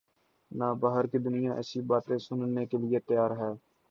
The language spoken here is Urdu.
نہ باہر کی دنیا ایسی باتیں سننے کیلئے تیار ہے۔